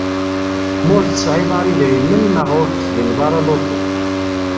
Ma ur tesɛiḍ ara idrimen neɣ ur texdimeḍ ara lutu.